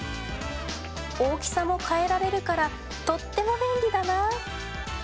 大きさも変えられるからとっても便利だな